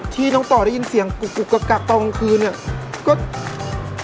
ที่น้องต่อได้ยินเสียงกุกกูกกกกกกับตรงกลางคืนอย่างนี้